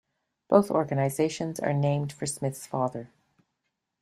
Both organizations are named for Smith's father.